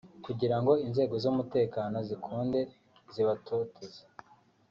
kugira ngo inzego z’umutekano zikunde zibatoteze